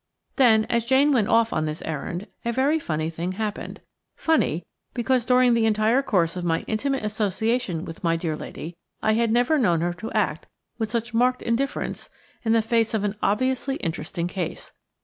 Then, as Jane went off on this errand, a very funny thing happened; funny, because during the entire course of my intimate association with my dear lady, I had never known her act with such marked indifference in the face of an obviously interesting case.